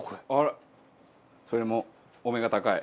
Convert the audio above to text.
それもお目が高い。